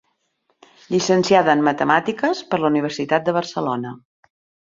Llicenciada en Matemàtiques per la Universitat de Barcelona.